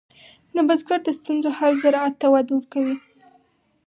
د بزګر د ستونزو حل زراعت ته وده ورکوي.